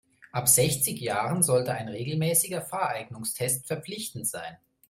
Ab sechzig Jahren sollte ein regelmäßiger Fahreignungstest verpflichtend sein.